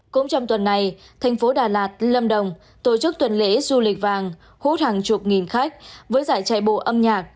cũng trong tuần này thành phố đà lạt lâm đồng tổ chức tuần lễ du lịch vàng hút hàng chục nghìn khách với giải chạy bộ âm nhạc